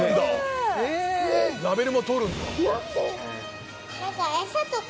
ラベルも取るんだ。